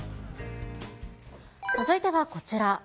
続いてはこちら。